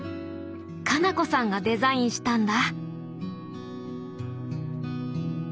花菜子さんがデザインしたんだ。